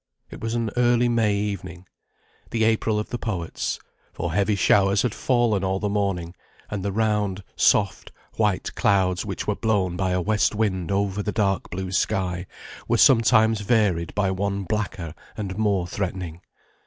It was an early May evening the April of the poets; for heavy showers had fallen all the morning, and the round, soft, white clouds which were blown by a west wind over the dark blue sky, were sometimes varied by one blacker and more threatening.